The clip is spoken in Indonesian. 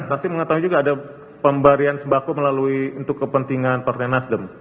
saksi mengetahui juga ada pemberian sembako melalui untuk kepentingan partai nasdem